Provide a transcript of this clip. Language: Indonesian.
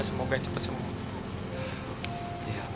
semoga cepat semua